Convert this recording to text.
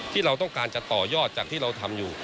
ที่เราต้องการจะต่อยอดจากที่เราทำอยู่